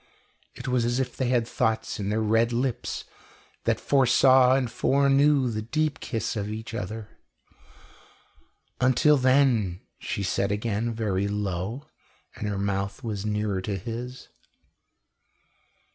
It was as if they had thoughts in their red lips that foresaw and foreknew the deep kiss of each other. "Until then " she said again, very low, and her mouth was nearer to his.